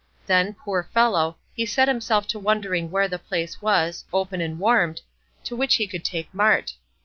Then, poor fellow, he set himself to wondering where the place was, open and warmed, to which he could take Mart.